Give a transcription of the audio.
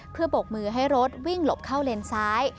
เพื่อบกมือให้รถวิ่งหลบเข้าเลนซ้าย